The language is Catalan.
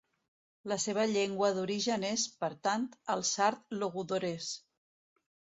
La seva llengua d'origen és, per tant, el sard logudorès.